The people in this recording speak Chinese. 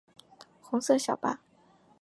红色小巴